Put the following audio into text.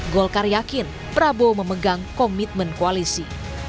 golkar yakin prabowo memegang komitmen koalisi